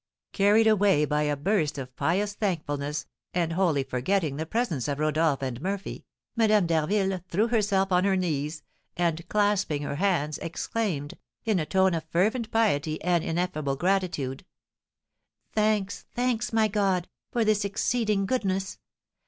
Carried away by a burst of pious thankfulness, and wholly forgetting the presence of Rodolph and Murphy, Madame d'Harville threw herself on her knees, and, clasping her hands, exclaimed, in a tone of fervent piety and ineffable gratitude: "Thanks, thanks, my God, for this exceeding goodness!